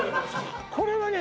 これはね